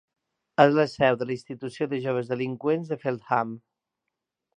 És la seu de la institució de joves delinqüents de Feltham.